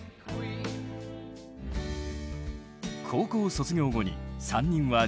高校卒業後に３人は上京。